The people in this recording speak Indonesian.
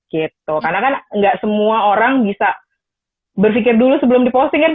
karena kan nggak semua orang bisa berpikir dulu sebelum diposting kan